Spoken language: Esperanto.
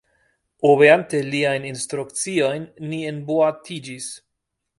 Obeante liajn instrukciojn, ni enboatiĝis.